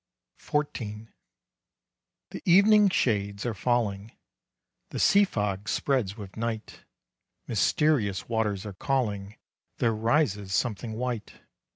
XIV. The evening shades are falling, The sea fog spreads with night. Mysterious waters are calling, There rises something white.